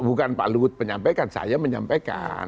bukan pak luhut penyampaikan saya menyampaikan